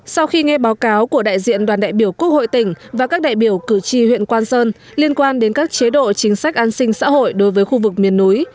sau khi nghe báo cáo của đại diện đoàn đại biểu quốc hội tỉnh và các đại biểu cử tri huyện quan sơn liên quan đến các chế độ chính sách an sinh xã hội đối với khu vực miền núi